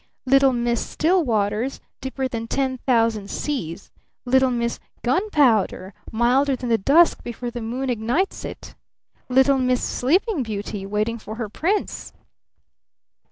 Little Miss Still Waters, deeper than ten thousand seas! Little Miss Gunpowder, milder than the dusk before the moon ignites it! Little Miss Sleeping Beauty, waiting for her Prince!"